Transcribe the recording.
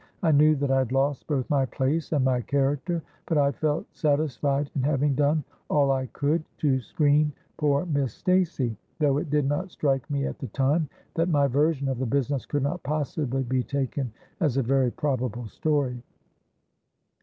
I knew that I had lost both my place and my character—but I felt satisfied in having done all I could to screen poor Miss Stacey, though it did not strike me at the time that my version of the business could not possibly be taken as a very probable story.